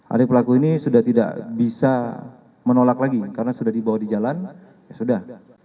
adik pelaku ini sudah tidak bisa menolak lagi karena sudah dibawa di jalan ya sudah